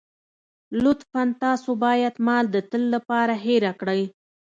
لطفاً تاسو بايد ما د تل لپاره هېره کړئ.